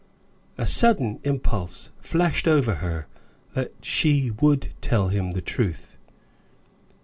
A sudden impulse flashed over her that she would tell him the truth.